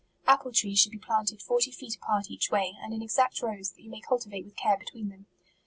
Apple trees should be planted forty feet apart each way, and in exact rows, that you may cultivate with care between them.